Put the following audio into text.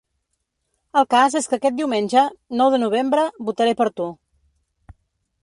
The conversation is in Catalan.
El cas és que aquest diumenge, nou de novembre, votaré per tu.